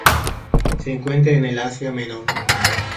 Se encuentra en el Asia Menor.